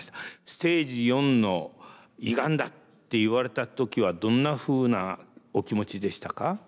「ステージ４の胃がんだ」って言われた時はどんなふうなお気持ちでしたか？